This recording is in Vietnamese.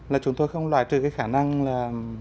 là chúng tôi không loại trừ cái khả năng là